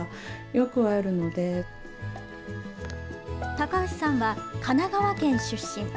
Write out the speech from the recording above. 高橋さんは神奈川県出身。